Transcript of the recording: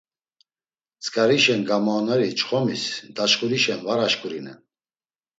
Tzǩarişen gamaoneri çxomis daçxurişen var aşkurinen!